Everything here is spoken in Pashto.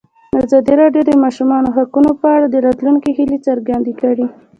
ازادي راډیو د د ماشومانو حقونه په اړه د راتلونکي هیلې څرګندې کړې.